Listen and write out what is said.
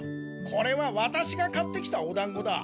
これはワタシが買ってきたおだんごだ。